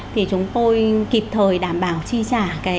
thì chúng tôi kịp thời đảm bảo chi trả